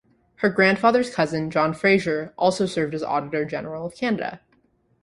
Her grandfather's cousin, John Fraser, also served as Auditor General of Canada.